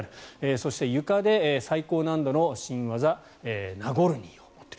そして、ゆかで最高難度の新技ナゴルニーを持っている。